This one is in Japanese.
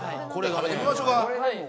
食べてみましょうか。